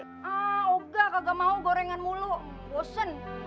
ah udah kagak mau gorengan mulu bosen